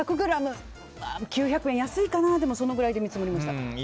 １００ｇ９００円、安いかなでも、そのぐらいで見積もりました。